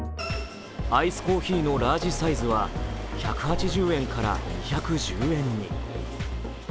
アイスコーヒーのラージサイズは１８０円から２１０円に。